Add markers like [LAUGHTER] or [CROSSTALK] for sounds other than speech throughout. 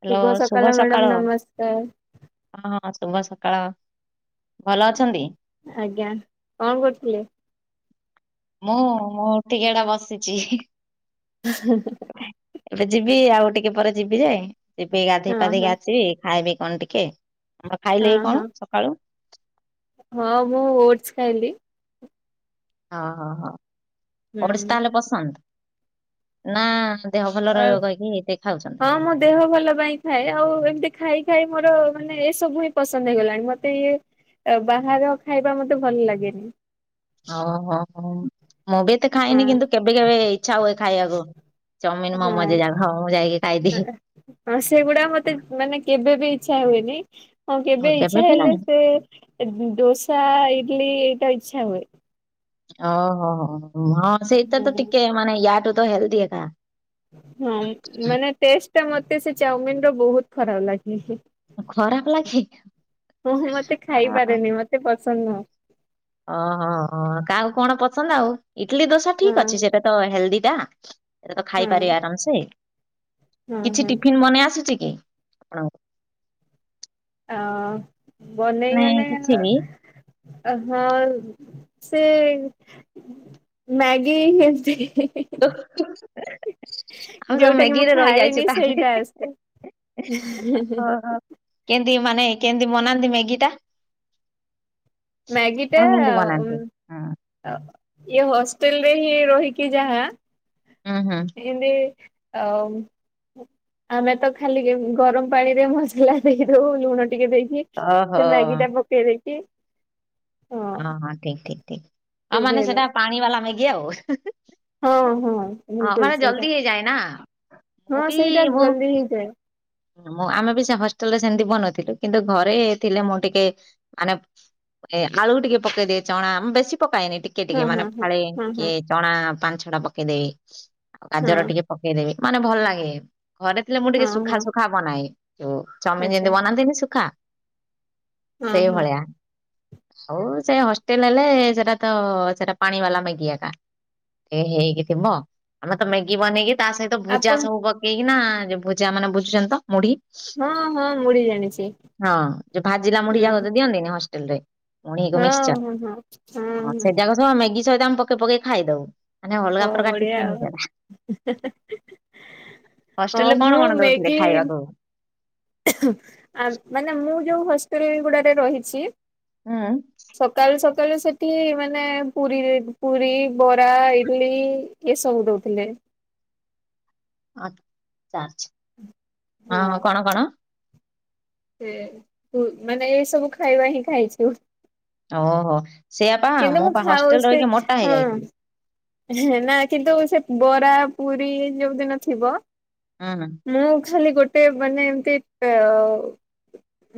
Hello ଶୁଭ ସକାଳ। ହଁ ଶୁଭ ସକାଳ ଭଲ ଅଛନ୍ତି? ଆଜ୍ଞା କଣ୍ କରୁଥିଲେ? ମୁଁ ମୁଁ ଉଠିକି ଏଡ଼ା ବସିଛି। [INAUDIBLE] ଏବେ ଯିବି ଆଉ ଟିକେ ପରେ ଯିବି ଯେ ଏବେ ହଁ ଗାଧେଇ ପାଧେଇକି ହଁ ଆସିବି ଖାଇବି କନ୍ ଟିକେ। [UNINTELLIGIBLE] ହଁ ଖାଇଲେ କି କଣ ହଁ ସକାଳୁ। ହଁ ମୁଁ ଓଡଶ୍ ଖାଇଲି। ହଁ ହଁ ହଁ ଓଡଶ୍ ହୁଁ। ତାହେଲେ ପସନ୍ଦ ନାଁ ଦେହ ଭଲ ରହିବ କହିକି ଏତେ ଖାଉଛନ୍ତି? ହଁ ମୋ ଦେହ ଭଲ ପାଇଁ ହିଁ ଖାଏ ଆଉ ଏମିତି ଖାଇ ଖାଇ ମୋର ମାନେ ଏ ସବୁ ହିଁ ପସନ୍ଦ୍ ହେଇଗଲାଣି ମତେ ଇଏ ଏ ବାହାର ଖାଇବା ମତେ ଭଲ୍ ଲାଗେନି। ଅ ହ ହ ମୁଁ ବି ଏତେ ଖାଏନି ହଁ କିନ୍ତୁ କେବେ କେବେ ଇଚ୍ଛା ହୁଏ ଖାଇଆକୁ। ଚମିନ୍ ମୋମୋ ଯେ ଯା ହଁ ମୁଁ ଖାଉ ମୁଁ ଯାଇକି ଖାଇଦିଏ। ଅଁ ସେଗୁଡ଼ା ମତେ ମାନେ କେବେ ବି ଇଚ୍ଛା ହୁଏନି। ହଁ ହଉ କେବେ ଇଚ୍ଛା ବି ହେଲେ ନାହିଁ ସେ ଦୋସା ଇଡ୍ଲି ଏଟା ଇଚ୍ଛା ହୁଏ। ଅ ହ ହ ହ ହଁ ସେଇଟା ତ ହଁ ଟିକେ ମାନେ ୟାଠୁ ତ ହେଲ୍ଦି ଏକା। ହଁ ମାନେ ଟେଷ୍ଟ୍ ଟା ମତେ ସେ ଚାଉମିନ୍ ର ବହୁତ୍ ଖରାପ୍ ଲାଗେ। ଖରାପ ଲାଗେ ଉଁହୁଁ ମତେ ଖାଇପାରେନି ମତେ ପସନ୍ଦ୍ ନୁହଁ। ଅ ହ ହ କାଆକୁ କଣ ପସନ୍ଦ୍ ଆଉ ଇଟ୍ଲିି ଦୋସା ଠିକ୍ ହଁ ଅଛି ସେଟା ତ ହେଲ୍ଦି ଟା। ଏ ତ ଖାଇପାରେ ହଁ ଆରାମ ସେ ହଁ କିଛି ହଁ ଟିଫିନ୍ ମନେଇ ଆସୁଛି କି ଆପଣଙ୍କୁ? ହଁ ବନେଇ ନାଇଁ ମାନେ କିଛି ବି ଆ ହଁ ସେ ମ୍ୟାଗି ଏମିତ୍ ହିଁ ହିଁ ହିଁ ଓ ହୋ ହୋ [UNINTELLIGIBLE] ଆମେ ସବୁ ଯୋଉଟା କି ମୁଁ ମାଗିରେ ରଇ ଯାଇଛୁ ଖାଏନି ତାହଲେ ସେଇଟା ଆସେ। ଓହୋ। କେନ୍ତି ମାନେ କେନ୍ତି ବନାନ୍ତି ମେଗି ଟା? ମ୍ୟାଗିଟା ଆପଣ କେମିତି ଉମ୍ ବନାନ୍ତି? ହଁ। ଆ ଇଏ ହଷ୍ଟେଲ୍ ରେ ହିଁ ରହିକି ଯାହା ଉଁ ହୁଁ। ଇନ୍ତି ଆଉ ଆମେ ତ ଖାଲି ଗରମ୍ ପାଣିରେ ମସଲା ଦେଇଦଉ ଲୁଣ ଟିକେ ଦେଇକି ଓହୋ ସେ ମାଗି ଟା ପକେଇ ଦେଇକି? ଅଁ ହଁ ଠିକ୍ ଠିକ୍ ଠିକ୍ ଆଉ ମାନେ ସିଝେଇ ଦଉ। ସେଟା ପାଣି ବାଲା ମେଗି ଆଉ। ହଁ ହଁ ଆ ବିଲକୁଲ ମାନେ ସେଇଟା ଜଲ୍ଦି ହେଇଯାଏ ନାଁ ମୁଁ ହଁ ବି ସେଇଟା ବହୁ [UNINTELLIGIBLE] ମୁଁ ଆମେ ବି ସେ ହଷ୍ଟେଲ୍ ରେ ସେମିତି ବନଉଥିଲୁ କିନ୍ତୁ ଘରେ ଥିଲେ ମୁଁ ଟିକେ ମାନେ ଏ ଆଳୁ ଟିକେ ପକେଇଦିଏ ଚଣା ବେଶୀ ପକାଏନି ଟିକେ ଟିକେ ହଁ ମାନେ ହଁ ହଁ। ଫାଳେ ହଁ ହଁ କିଏଜ୍ ଚଣା ପାଞ୍ଚ୍ ଛ ଟା ପକେଇଦେଇ ଆଉ କାଜର ହଁ ଟିକେ ପକେଇଦେବି ମାନେ ଭଲ୍ ଲାଗେ। ଘରେ ଥିଲେ ମୁଁ ଟିକେ ହଁ ସୁଖା ହଁ ସୁୁଖା ବନାଏ ଯଉ ଚମିନ୍ ଆଚ୍ଛା ଯେମିତି ବନାନ୍ତିନି ଶୁଖା ହଁ ସେ ହଁ ଭଳିଆ। ହଉ ସେ ହଷ୍ଟେଲ୍ ହେଲେ ସେଟା ତ ସେଟା ପାଣି ବାଲା ମେଗି ଏକା। ଏ ହେଇକି ଥିବ ଆମେ ତ ମେଗି ବନେଇକି ତା ସହିତ ଭୁଜା ଆପଣ ସବୁ ପକେଇକିନା ଯୋ ଭୁଜା ମାନେ ବୁଝୁଛନ୍ତି ତ ମୁଢ଼ି ହଁ ହଁ ମୁଢି ଜାଣିଛି ହଁ ଯୋ ଭାଜିଲା ମୁଢି଼ ହୁଁ ଯା କଉଛ ଦିଅନ୍ତିନି ହଷ୍ଟେଲ୍ ରେ। ମୁଢ଼ି଼ କୁ ହଁ ମିକ୍ସଚର୍ ହଁ ହଁ। ହଁ ଅ ହଁ ସେଇ ଯାକ ସହ ମେଗି ସହିତ ଆମେ ପକେଇ ପକେଇ ଖାଇଦଉ। ମାନେ ଓ ଅଲ୍ଗା ପ୍ରକାର ବଢିଆ ଟିଫିନ୍ ଆଉ ସେଟା ହଷ୍ଟେଲ୍ ହଁ ରେ କଣ ମୁଁ କଣ ଦଅ ଖାଇଆକୁ। ଆ ମାନେ ମୁଁ ଯୋଉ ହସ୍ଟେଲ୍ ଏଗୁଡ଼ାରେ ରହିଛି। ଉଁ। ସକାଳୁ ସକାଳୁ ସେଠି ମାନେ ପୁରି, ପୁରି, ବରା, ଇଟିଲି ଏ ସବୁ ଦଉଥିଲେ। ଆ ଛ ହଁ କଣ କଣ ସେ ମାନେ ଏଇ ସବୁ ଖାଇବା ହିଁ ଖାଇଛୁ। ଓହୋ ସେଆପା କିନ୍ତୁ ମୁଁ ବା ଖାଉ ହଷ୍ଟେଲ ସେ ରହିକି ମୋଟା ହେଇ ହଁ ଯାଇଥିଲି। ନା କିନ୍ତୁ ସେ ବରା, ପୁରି ଯୋଉ ଦିନ ଥିବ ହୁଁ ମୁଁ ଖାଲି ଗୋଟେ ମାନେ ଏମତି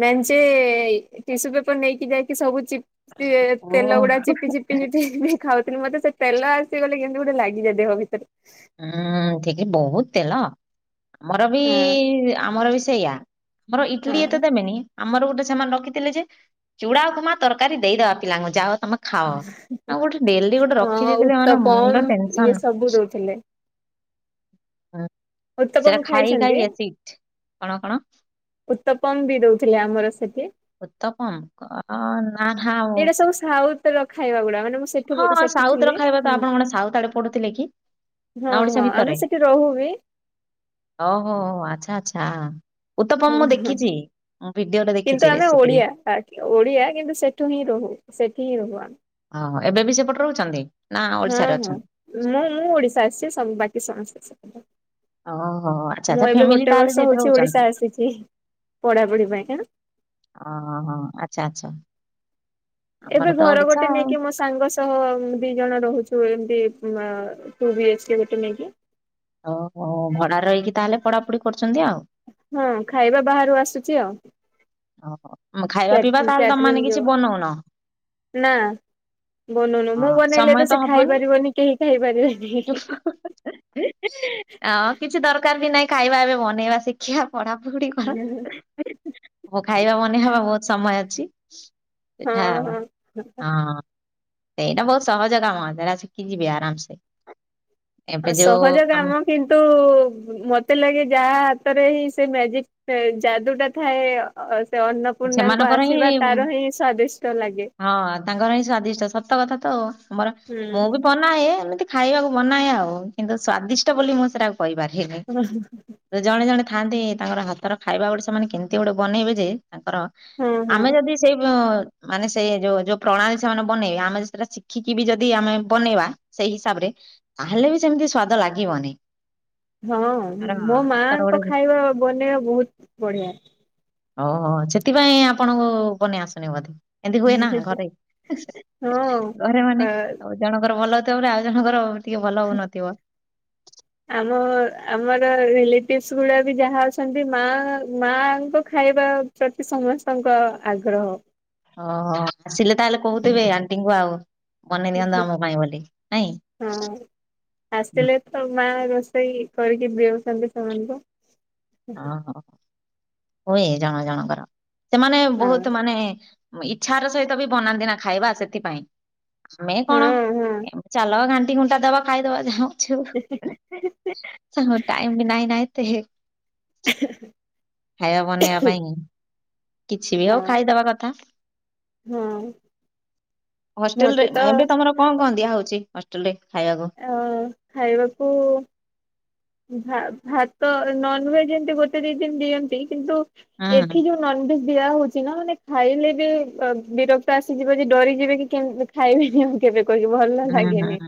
ମେଞ୍ଚେ ଟିସୁ ପେପର ନେଇକି ଯାଇକି ସବୁ ଚିପ୍ ଓ। ତେଲଗୁଡା ଚିପିଚିପି ଚିପିଚିପି ଖାଉଥିଲି ମତେ ସେ ତେଲ ଆସିଗଲେ କେମିତି ଗୋଟେ ଲାଗିଯାଏ ଦେହ ଭିତରେ ହୁଁ ଠିକ ବହୁତ ତେଲ ଆମର ବି ହଁ ଆମର ବି ସେଇଆ ଆମର ଇଟିଲି ହଁ। ଏତେ ଦେମେନି ଆମର ଗୋଟେ ସେମାନେ ରଖିଥିଲେ ଯେ ଚୁଡା ଉପମା ତରକାରୀ ଦେଇଦବା ପିଲାଙ୍କୁ ଯାହାଉ ତମେ ଖାଅ ଆଉ ଗୋଟେ ଡେଲି ଗୋଟେ ହଁ ରଖିଦେଇଥିଲେ ମାନେ ଉତ୍ତପମ ମୁଣ୍ଡ ଇଏ ଟେନସନ ସବୁ ଦଉଥିଲେ। ଉତ୍ତପମ ସେଟା ଖାଇ ଖାଇଛନ୍ତି। ଖାଇ ଏସିଟ୍ କଣ କଣ? ଉତ୍ତପମ ବି ଦଉଥିଲେ ଆମର ସେଠି ଉତ୍ତପମ କମ୍ ଅ ନ ସାଉଥର ଖାଇବା ଗୁଡା ମାନେ ସେଠୁ ହଁଁ ସେଠୁ ସାଉଥ ଥିଲି ର ଖାଇବା ତ ହୁଁ। ଆପଣ କଣ ସାଉଥ ଆଡେ ପଢୁଥିଲେ କି? ହଁ ନା ଓଡିଶା ହଁ ଭିତରେ ଆମେ ସେଠି ରହୁ ବି ଓହୋ ଆଚ୍ଛା ଆଚ୍ଛା ହଁ ଉତ୍ତପମ ମୁଁ ହଁ ଦେଖିଛି। ମୁଁ ଭିଡିଓ ଟା କିନ୍ତୁ ଦେଖିଛି ଆମେ ରେସିପି ଓଡିଆ ରେ ଓଡିଆ କିନ୍ତୁ ସେଠୁ ହିଁ ରହୁ ସେଠି ହିଁ ରହୁ ଆମେ ଓହୋ ଏବେ ବି ସେପଟ ରହୁଛନ୍ତି। ନା ହଁ ଓଡିଶାରେ ହଁ ଅଛନ୍ତି? ମୁଁ ମୁଁ ଓଡିଶା ଆସିଛି ବାକି ସମସ୍ତେ ଓହୋ ଆଚ୍ଛା ସେପଟେ ଆଚ୍ଛା ମୁଁ ଏବେ ଫ୍ୟାମିଲି ଗୋଟେ ତାହେଲେ ବର୍ଷ ସେଇଠି ହଉଛି ରହୁଛନ୍ତି ଓଡିଶା ଆସିଛି ପଢାପଢି ପାଇଁ କା ଆଁ ହଁ ଆଛା ଆଛା। ଏବେ ଘର ଗୋଟେ ଆଉ ନେଇକି ମ ସାଙ୍ଗ ସହ ଦି ଜଣ ରହୁଛୁ ଏମତି ଟୁ ବି ଏଚ ଗୋଟେ ନେଇକି। ଓହୋ ଭଡାରେ ରହିକି ତାହେଲେ ପଢାପଢି କରୁଛନ୍ତି ଆଉ। ହଁ ଖାଇବା ବାହାରୁ ଆସୁଛି ଆଉ। ଓହୋ ଖାଇବା ପିଇବା ତାହେଲେ ତମାନେ କିଛି ବନଉନ। ନାଁ। ବନୁନୁ ହଁ ମୁଁ ବନେଇଲେ ସମୟ ତ ସେ ଖାଇ ହବନି ପାରିବନି କେହି ଖାଇପାରିବେନି। ଆ କିଛି ଦରକାର ବି ନାଇଁ ଖାଇବା ଏବେ ବନେଇବା ଶିକଖିବା। ପଢାପୁଢି କର। କଉ ଖାଇବା ମନେ ହବା ବହୁତ ସମୟ ଅଛି ହଁ ସେଠା ହଁ। ହଁ। ସେଇଟା ବହୁତ ସହଜ କାମ ସରା ଶିଖି ଯିବି ଆରାମସେ ଏବେ ଯୋଉ କାମ କିନ୍ତୁ ମତେ ଲାଗେ ଯାହା ହାତରେ ହିଁ ସେ ମ୍ୟାଜିକ ସେ ଯାଦୁଟା ଥାଏ ଅ ସେ ଅନ୍ନପୂର୍ଣ୍ଣାଙ୍କ ସେମାନଙ୍କର ହିଁ ଆସିବା ତାର ହିଁ ସ୍ଵାଦିଷ୍ଟ ଲାଗେ। ହଁ ତାଙ୍କର ହିଁ ସ୍ଵାଦିଷ୍ଟ ସତ କଥା ତ ତମର ମୁଁ ହୁଁ ବି ପର ନାଁ ଏ ଏମିତି ଖାଇବାକୁ ବନାଏ ଆଉ କିନ୍ତୁ ସ୍ଵାଦିଷ୍ଟ ବୋଲି ମୁଁ ସେଟା କହିପାରିବନି। ଜଣେ ଜଣେ ଥାଆନ୍ତି ତାଙ୍କର ହାତର ଖାଇବା ଗୋଟେ ସେମାନେ କେମିତି ଗୋଟେ ବନେଇବେ ଯେ ତାଙ୍କର ହଁ ହଁ ଆମେ ଯଦି ସେଇ ମାନେ ସେ ଯୋଉ ଯୋଉ ପ୍ରଣାଳୀ ସେମାନେ ବନେଇବେ ଆମେ ଯେଟା ଶିଖିକି ବି ଯଦି ଆମେ ବନେଇବା। ସେଇ ହିସାବ ରେ ତାହଲେ ବି ସେମିତି ସ୍ଵାଦ ଲାଗିବନି। ହଁ ଆର ମୋ ହାତର ଗୋଟେ ମାଙ୍କ ଖାଇବା ବନେଇବା ବହୁତ ବଢିଆ। ହଁ ସେଥିପାଇଁ ଆପଣଙ୍କୁ ବନେଇ ଆସୁନ ବଧେ। ଏମତି ହୁଏ ନା ଘରେ ଘରେ ମାନେ ହଁ। ଜଣଙ୍କର ଭଲ ହଉଥିବ ବ ଆଉ ଜଣଙ୍କର ଟିକେ ଭଲ ହଉନଥିବ। ଆମ ଆମର ରିଲେଟିଭସ ଗୁଡା ବି ଯାହା ଅଛନ୍ତି ମା ମାଙ୍କ ଖାଇବା ପ୍ରତି ସମସ୍ତଙ୍କ ଆଗ୍ରହ। ଓହୋ ଆସିଲେ ତାହେଲେ କହୁଥିବେ ଆଣ୍ଟିଙ୍କୁ ଆଉ ବନେଇ ଦିଅନ୍ତୁ ଆମ ପାଇଁ ବୋଲି ନାଇଁ। ହଁ। ଆସିଲେ ତ ମା ରୋଷେଇ କରିକି ଦଉଛନ୍ତି ସେମାନଙ୍କୁ। ଓ ହୋ ହୁଏ ଜଣ ଜଣଙ୍କର ସେମାନେ ହଁ ବହୁତ ମାନେ ଇଛାର ସହିତ ବି ବନାନ୍ତି ନା ଖାଇବା ସେଥିପାଇଁ ଆମେ ହଁ କଣ ହଁ ଚାଲ ଘା ତିିଣ୍ଟାବା ଖାଇ ଦେବା ଯାହେଉଛି ହଉ। ସେ ସେ [UNINTELLIGIBLE] ସ ଟାଇମ ବି ନାହିଁ ନା ନାହିତ। ଖାଇବା ବନେଇବା ପାଇଁ କିଛି ବି ହଉ ହଁ ଖାଇଦବା କଥା। ହଁ ହଷ୍ଟେଲ ରେ ମତେ ତ ଏବେ ତମର କଣ କହ ଦିଆ ହଉଛି ହଷ୍ଟେଲ ରେ ଖାଇବାକୁ? ଅ ଖାଇବାକୁ ଭା ଭାତ ନଭେଜ ଏମିତି ଗୋଟେ ଦି ଦିନ ଦିଅନ୍ତି କିନ୍ତୁ ହୁଁ ଏଠି ଯୋଉ ନନଭେଜ ଦିଆ ହଉଛି ନା ମାନେ ଖାଇଲେ ବି ବିରକ୍ତ ଆସିଯିବ ଯେ ଡରିଯିବେ କି କେ ଖାଇବେନି ଆଉ। କେବେ କହିକି ଭଲ ହୁଁ ହୁଁ ଲାଗେନି।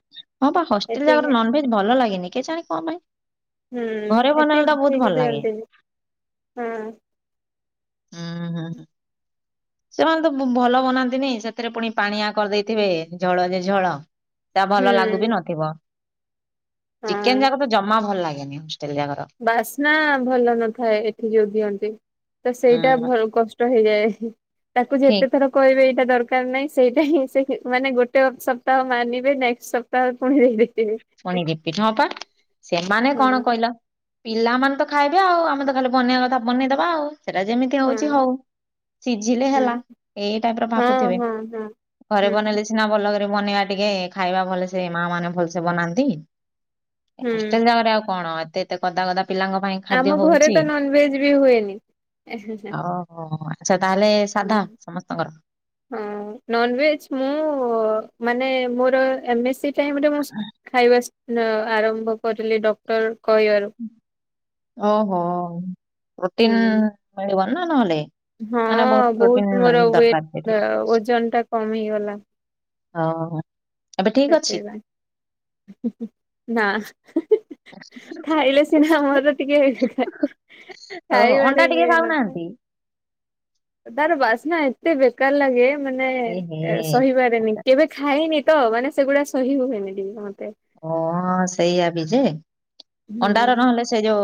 ହଁ ବା ହଷ୍ଟେଲ ଯାଗାର ଏଠିକି ନ ଭେଜ ଭଲ ଲାଗେନି କେ ଜାଣି କଣ ପାଇଁ। ହୁଁ ଘରେ ମତେ ବନେଇଲେ ତ ବହୁତ ଭଲ ଲାଗେ। ହଇଗିବଅନ୍ତିି ହଁ [UNINTELLIGIBLE] ହୁଁ ହଁ ହଁ। ସେମାନେ ତ ଭଲ ବନାନ୍ତିନି ସେଥିରେ ପୁଣି ପାଣିଆ କରିଦେଇଥିବେ ଝଳ ଯେ ଝଳ। ତା ଭଲ ଲାଗୁ ବି ହୁଁ ନଥିବ। ଚିକେନ୍ ହଁ ଯାକ ତ ଜମା ଭଲ ଲାଗେନି ହୋଷ୍ଟେଲ ଯାକର। ବାସ୍ନା ଭଲ ନଥାଏ ଏଠି ଯୋଉ ଦିଅନ୍ତି ତ ସେଇଟା ହୁଁ ଭଲ କଷ୍ଟ ହେଇଯାଏ। ତାକୁ ଠିକ ଯେତେ ଥର କହିବେ ଏଇଟା ଦରକାର ନାହିଁ ସେଇଟା ହିଁ ସେ ମାନେ ଗୋଟେ ସପ୍ତାହ ମାନିବେ ନେକ୍ସଟ ସପ୍ତାହ ପୁଣି ଦେଇବେ ପୁଣି ଦିପିଟ ହପା ସେମାନେ ହଁ କଣ କହିଲ ପିଲାମାନେ ତ ଖାଇବେ ଆଉ ଆମେ ତ ଖାଲି ବନେଇବା କଥା ବନେଇଦବା ଆଉ। ସେଟା ଯେମିତି ହଉଛି ହଁ। ହଉ ସିଝିଲେ ହୁଁ ହେଲା ଏଇ ଟାଇପ୍ ର ହଁ ଭାବୁଥିବେ। ହଁ ହଁ ହୁଁ। ସନା ଭଲ କରି ବନେଇବା ଟିକେ ଖାଇବା ଭଲ ସେ ମା ମାନେ ଭଲସେ ବନାନ୍ତି। ହୁଁ ହଷ୍ଟେଲ ଜାଗାରେ ଆଉ କଣ ଏତେ ଏତେ କଦା ଗଦା ପିଲାଙ୍କ ପାଇଁ ଖାଦ୍ୟ ଆମ ଘରେ ହଉଛି ତ ନନଭେଜ୍ ବି ହୁଏନି। ଓୋ ଆଚ୍ଛା ତାହେଲେ ହୁଁ ସାଧା ସମସ୍ତଙ୍କର। ହଁ ନନଭେଜ୍ ମୁଁ ମାନେ ମୋର ଏମ୍ ଏ ସି ଟାଇମରେ ମୁଁ ଖାଇବା ଆରମ୍ଭ କରିଲି ଡକ୍ଟର କହିବାରୁ। ଓହୋ। ହୁଁ ରୋଟିନ୍ ମିଳିବନ ନା ନହେଲେ। ହଁ ମାନେ ପ୍ରୋଟିନ ବହୁତ ମୋର ଦରକାର ସେଇଠୁ ୱେଟ୍ ଓଜନ ଟା କମିଗଲା। ହଁ ଏବେ ଠିକ୍ ଅଛି? ସେଥିପାଇଁ ନା। ଖାଇଲେ ସିନା ମୋର ଟିକେ ଓ ଖାଇବାରେ ଅଣ୍ଡା ଇଏ ଟିକେ ହେଇନଥା। ଖାଉନାହାନ୍ତି ତାର ବାସ୍ନା ଏତେ ବେକାର ଲାଗେ ମାନେ ଏହେ ସହିବା କେବେ ଖାଇନି ତ ମାନେ ସେଗୁଡ଼ା ସହି ହୁଏନି ଟିକେ ମତେ। ଓ ସେଇଆ ବି ଯେ, ଅଣ୍ଡାର ହୁଁ ନହେଲେ ସେ ଯୋଉ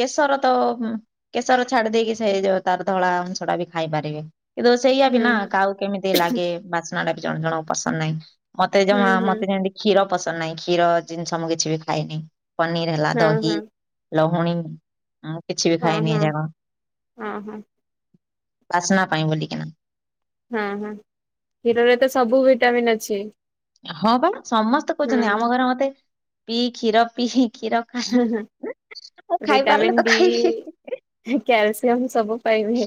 କେଶର ତ କେଶର ଛାଡି଼ ଦେଇକି ସେ ଯୋଉ ତାର ଧଳା ଅଂଶ ଟା ବି ଖାଇ ପାରିବେ। କିନ୍ତୁ ସେଇଆ ବି ନା ହୁଁ କହା କେମିତି ଲାଗେ ବାସ୍ନା ଟା ବି ଜଣେ ଜଣଙ୍କୁ ପସନ୍ଦ ନାହିଁ। ମତେ ହୁଁ ଜମା ହୁଁ ମତେ ଯେମତି କ୍ଷୀର ପସନ୍ଦ ନାହିଁ। କ୍ଷୀର ଜିନିଷ ମୁଁ କିଛି ବି ଖାଇନି। ପନିର ହେଲା ହଁ ଦହି, ହଁ ଲହୁଣୀ। ହଁ କିଛି ବି ହଁ ଖାଇନି ହଁ। ଜାଣ ହଁ ହଁ ବାସ୍ନା ପାଇଁ ବୋଲିକିନା। ହଁ ହଁ କ୍ଷୀରରେ ତ ସବୁ ଭିଟାମିନ୍ ଅଛି। ହଁ ବା ସମସ୍ତେ ହୁଁ। କହୁଛନ୍ତି। ଆମ ଘରେ ମତେ ପିଇ କ୍ଷୀର ପିଇ କ୍ଷୀର ହଁ ହଁ ମୁଁ ଖାଇପାରିଲେ ତ ଖାଇବି। କ୍ୟାଲସିୟମ୍ ସବୁ ପାଇବେ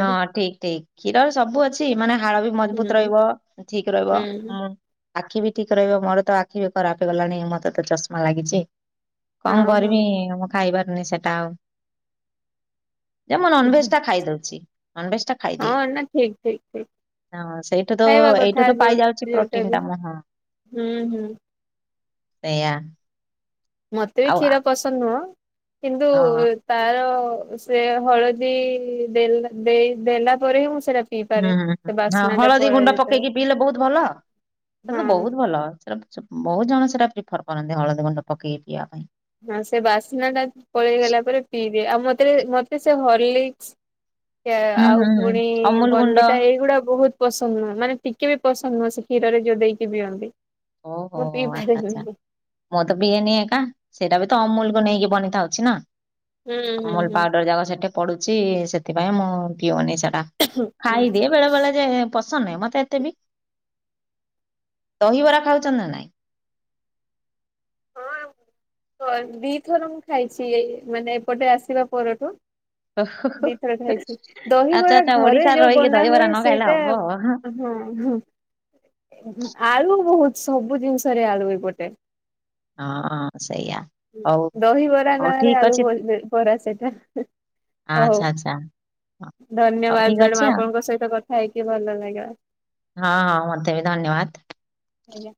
ହଁ ଠିକ୍ ଠିକ୍ କ୍ଷୀରର ସବୁ ଅଛି ମାନେ ହାଡ଼ ବି ହୁଁ ମଜବୁତ୍ ହୁଁ ରହିବ। ଠିକ୍ ରହିବ। ହଁ। ଆଖି ବି ଠିକ୍ ରହିବ। ମୋର ତ ଆଖି ବି ଖରାପ ହେଇଗଲାଣି ମତେ ତ ଚଷମା ଲାଗିଛି। କଣ ହଁ ହଁ। କରିବି ମୁଁ ଖାଇବାରୁନି ସେଟା ଆଉ। ଯେ ମୁଁ ନନଭେଜ୍ ଖାଇଦଉଛି ନନଭେଜ୍ ଟା ହଁ ଖାଇଦିଏ। ନା ଠିକ ଠିକ ଠିକ ହଁ ସେଇଠୁ ତ ଖାଇବା କଥା ଏଇଠୁ ତ ଯୋଉ ପାଇଯାଉଛି ଯୋଉଟା ପ୍ରୋଟିନ୍ ବି ଟା ମୁଁ ହଁ। ହୁଁ ହୁଁ। ସେୟା। ମତେ ବି କ୍ଷୀର ପସନ୍ଦ ନୁହଁ କିନ୍ତୁ ହଁ। ତାର ସେ ହଳଦୀ ଦେ ଦେଇ ଦେଲା ପରେ ବି ମୁଁ ସେଟା ହୁଁ ହଁ ହଁ ହଳଦୀ ଗୁଣ୍ଡ ପକେଇକି ପିଇଲେ ବହୁତ ଭଲ। ସେଇଟା ତ ହଁ। ବହୁତ ଭଲ ସେଟା ବହୁତ ଜଣ ସେଇଟା ପ୍ରିଫର କରନ୍ତି ହଳଦୀ ଗୁଣ୍ଡ ପକେଇକି ପିଇବା ପାଇଁ। ହଁ ସେ ବାସ୍ନା ଟା ପଳେଇ ଗଲା ପରେ ପିଇଦିଏ ଆଉ ମତେ ମତେ ସେ ହିରଲିକସ୍ ହୁଁ ଆଉ ହୁଁ ହୁଁ ପୁଣି ଅମୁଲ ଗୁଣ୍ଡ ବନବିତା ଏଇଗୁଡା ବହୁତ ପସନ୍ଦ ନୁହଁ ମାନେ ଟିକେ ବି ପସନ୍ଦ ନୁହଁ ସେ କ୍ଷୀରରେ ଯୋଉ ଦେଇକି ପିଅନ୍ତି। ଓହୋ ମୁଁ ପିଇ ଆଚ୍ଛା ଆଚ୍ଛା। ପାରିବିନି। ମୁଁ ତ ବିଇନିଏ ଏକା ସେଇଟା ବି ତ ଅମୁଲକୁୁ ନେଇକି ବନେଇଥାଉଛି ନା। ହୁଁ ହୁଁ ଅମୁଲ ହୁଁ। ପାଉଡର ଯାକ ସେଠି ପଡୁଛି ସେଥିପାଇଁ ମୁ ପିଅନି ସେଟା। ଖାଇଦି ବେଳେ ବେଳ ଯେ ପସନ୍ଦ ନାହିଁ ମତେ ଏତେ ବି, ଦହିବରା ଖାଉଛନ୍ତି ନାଇଁ? ହଁ ଦିଥର ମୁଁ ଖାଇଛି ଏଇ ମାନେ ଏପଟେ ଆସିବା ପରଠୁ। ଦୁଥର ଖାଇଛି ଆଚ୍ଛା ଦହିବରା ଆଚ୍ଛା ଘରେ ଓଡିଶାରେ ଯୋଉ ରହିକି ବନା ଦହିବରା ହୁଏ ନ ଖାଇଲେ ସେଇଟା ହବ ହଁ ହଁ ଆଳୁ ବହୁତ ସବୁ ଜିନିଷରେ ଆଳୁ ଏ ଗୋଟେ। ହଁ ସେଇଆ। ହଉ ଦହିିବରା ହଉ ନାଁ ରେ ଠିକ ଆଳୁ ଅଛି ବରା ସେଇଟା। ଆ ହଉ ଆଛା ଆଚ୍ଛା। ହଉ ଧନ୍ୟବାଦ ଠିକ ଅଛି ମ୍ୟାଡାମ ଆଉ ଆପଣଙ୍କ ସହିତ କଥା ହେଇକି ଭଲ ଲାଗିଲା। ହଁ ହଁ ମତେ ବି ଧନ୍ୟବାଦ। ଆଜ୍ଞା।